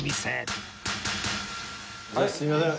すいません。